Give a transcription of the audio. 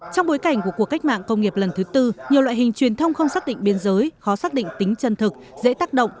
trong bối cảnh của cuộc cách mạng công nghiệp lần thứ tư nhiều loại hình truyền thông không xác định biên giới khó xác định tính chân thực dễ tác động